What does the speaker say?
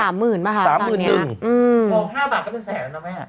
สามหมื่นบาทสามหมื่นนึงอืมทองห้าบาทก็เป็นแสนแล้วนะแม่